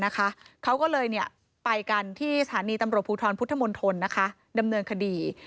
เขาก็เลยไปกันที่สถานีตำรวจภูทรพุทธมนตรดำเนินคดี